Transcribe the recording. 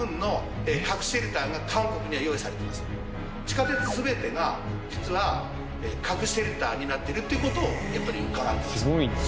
地下鉄全てが実は核シェルターになってるっていう事をやっぱり伺ってます。